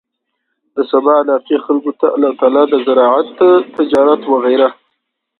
د سبا علاقې خلکو ته الله تعالی د زراعت، تجارت وغيره